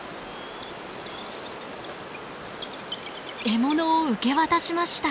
獲物を受け渡しました。